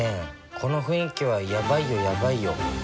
この雰囲気はやばいよやばいよ。